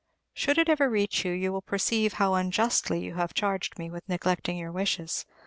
Should it ever reach you, you will perceive how unjustly you have charged me with neglecting your wishes.